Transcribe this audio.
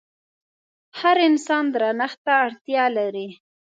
هر انسان درنښت ته اړتيا لري.